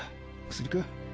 薬か？